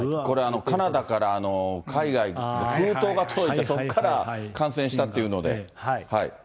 これ、カナダから海外に封筒が届いて、そこから感染したっていうので。